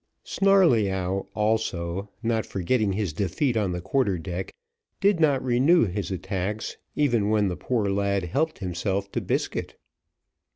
Snarleyyow also, not forgetting his defeat on the quarter deck, did not renew his attacks, even when the poor lad helped himself to biscuit.